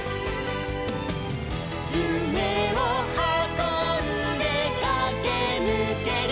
「ゆめをはこんでかけぬける」